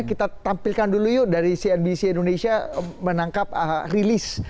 kita tampilkan dulu yuk dari cnbc indonesia menangkap rilis